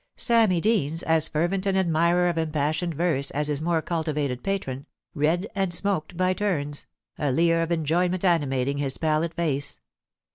Sammy Deans, as fervent an admirer of impassioned verse as his more cultivated patron, read and smoked by turns, a leer of enjoyment animating his pallid face.